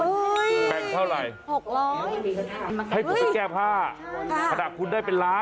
ดิฉันจะให้คุณชนะไปแก้ผ้า